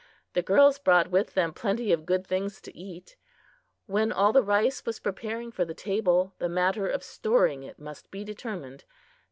The girls brought with them plenty of good things to eat. When all the rice was prepared for the table, the matter of storing it must be determined.